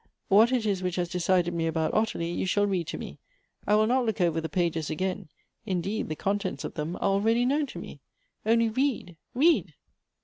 What it is which has decided me about Ottilie, you shall read to me. I will not look over the pages again. Indeed, the Elective Affinities. 45 contents of them are already known to rac. Only read, read!"